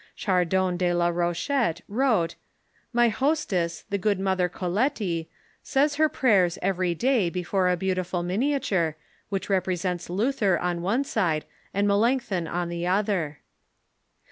Chardon de la Ro chette wrote : "My hostess, the good mother Coleti, says her prayers every day before a beautiful miniature, which repre sents Luther on one side and Melanchthon on the other."